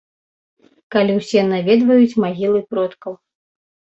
Калі ўсе наведваюць магілы продкаў.